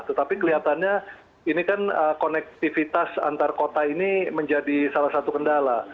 tetapi kelihatannya ini kan konektivitas antar kota ini menjadi salah satu kendala